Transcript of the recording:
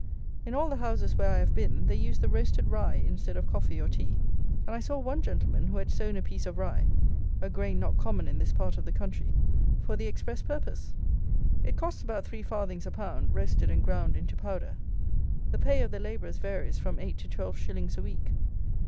In all the houses where I have been, they use the roasted rye instead of coffee or tea, and I saw one gentleman who had sown a piece of rye (a grain not common in this part of the country) for the express purpose. It costs about three farthings a pound, roasted and ground into powder. The pay of the labourers varies from eight to twelve shillings a week.